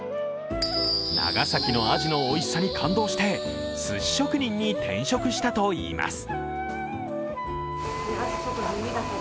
長崎のアジのおいしさに感動してすし職人に転職したといいます。